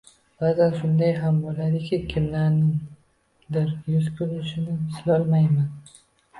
Baʼzan shunday ham boʻladiki, kimlarningdir yuz tuzilishini eslolmayman.